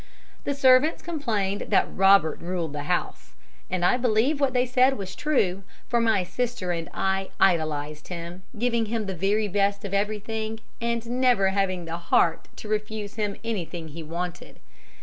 The servants complained that Robert ruled the house, and I believe what they said was true, for my sister and I idolized him, giving him the very best of everything and never having the heart to refuse him anything he wanted.